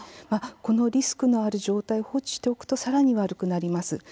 このリスクのある状態を放置しておくとさらに悪くなります。